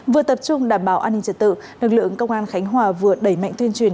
vừa tập trung đảm bảo an ninh trật tự lực lượng công an khánh hòa vừa đẩy mạnh tuyên truyền